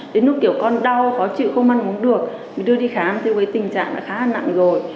đến lúc kiểu con đau khó chịu không ăn uống được thì đưa đi khám thì cái tình trạng đã khá là nặng rồi